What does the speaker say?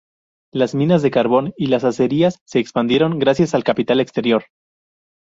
Las minas de carbón y las acerías se expandieron gracias al capital exterior.